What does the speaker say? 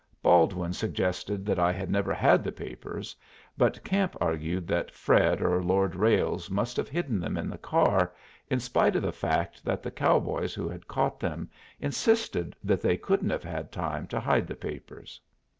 Baldwin suggested that I had never had the papers, but Camp argued that Fred or Lord Ralles must have hidden them in the car, in spite of the fact that the cowboys who had caught them insisted that they couldn't have had time to hide the papers.